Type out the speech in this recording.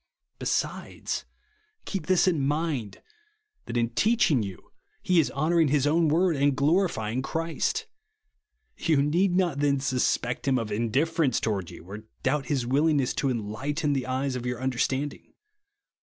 Besides, keep tin's in mind, that in teaching you he is hon ouring Lis own word and glorifying Cln^ist. You need not then suspect him of indiffer ence toAvard you, or doubt his willingness to " enlighten the eyes of your imderstand ing."